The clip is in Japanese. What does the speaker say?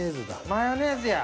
マヨネーズや。